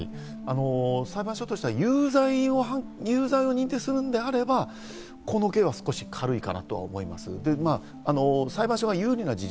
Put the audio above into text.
裁判所としては有罪を認定するのであればこの刑は少し軽いかなと思います。